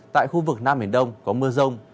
tại khu vực nam biển đông có mưa rông